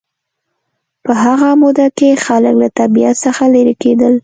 په هغه موده کې خلک له طبیعت څخه لېرې کېدل